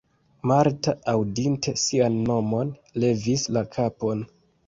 Marta, aŭdinte sian nomon, levis la kapon.